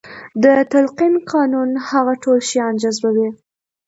د تلقين قانون هغه ټول شيان جذبوي.